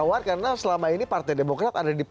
jauh jauh saja hebben darknya sudah buas